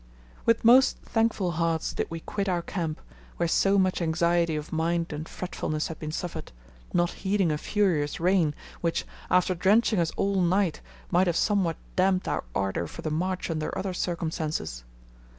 With most thankful hearts did we quit our camp, where so much anxiety of mind and fretfulness had been suffered, not heeding a furious rain, which, after drenching us all night, might have somewhat damped our ardor for the march under other circumstances.